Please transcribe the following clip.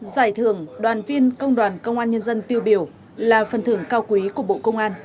giải thưởng đoàn viên công đoàn công an nhân dân tiêu biểu là phần thưởng cao quý của bộ công an